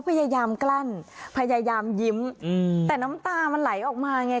พยายามกล้านพยายามยิ้มแต่น้ำตาอ่ะไหลออกมา